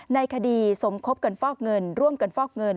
ในคดีสมคบกันฟอกเงินร่วมกันฟอกเงิน